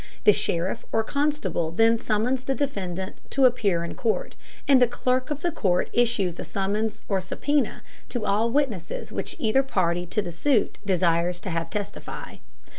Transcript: The sheriff or constable then summons the defendant to appear in court, and the clerk of the court issues a summons or subpoena to all witnesses which either party to the suit desires to have testify.